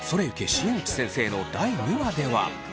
新内先生」の第２話では。